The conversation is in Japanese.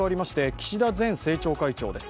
岸田前政調会長です。